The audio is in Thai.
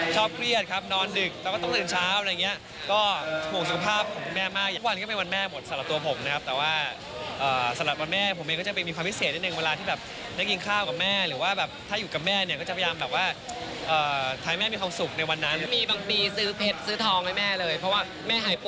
สวัสดีค่ะสวัสดีค่ะสวัสดีค่ะสวัสดีค่ะสวัสดีค่ะสวัสดีค่ะสวัสดีค่ะสวัสดีค่ะสวัสดีค่ะสวัสดีค่ะสวัสดีค่ะสวัสดีค่ะสวัสดีค่ะสวัสดีค่ะสวัสดีค่ะสวัสดีค่ะสวัสดีค่ะสวัสดีค่ะสวัสดีค่ะสวัสดีค่ะส